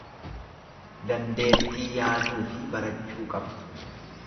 dandeettii yaaduu fi barachuu qaba.